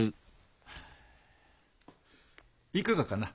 いかがかな。